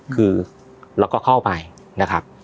คือเราก็เข้าไปนะครับ